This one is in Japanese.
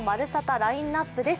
ラインナップです。